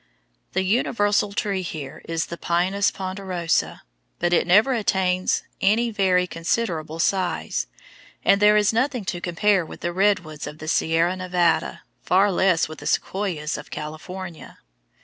The universal tree here is the Pinus ponderosa, but it never attains any very considerable size, and there is nothing to compare with the red woods of the Sierra Nevada, far less with the sequoias of California.